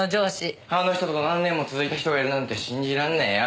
あの人と何年も続いた人がいるなんて信じらんねえよ。